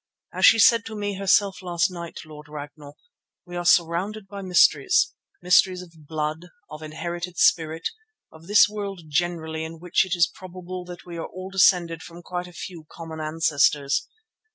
As she said to me herself last night, Lord Ragnall, we are surrounded by mysteries; mysteries of blood, of inherited spirit, of this world generally in which it is probable that we all descended from quite a few common ancestors.